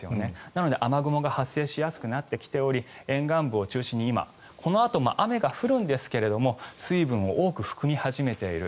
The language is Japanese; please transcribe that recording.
なので雨雲が発生しやすくなってきており沿岸部を中心に今このあとも雨が降るんですが水分を多く含み始めている。